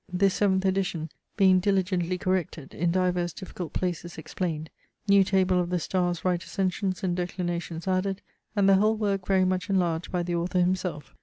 'This seaventh edition being diligently corrected; in divers difficult places explained; new table of the starres' right ascentions and declinations added; and the whole worke very much enlarged by the author himselfe.'